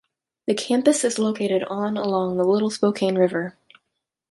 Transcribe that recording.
The campus is located on along the Little Spokane River.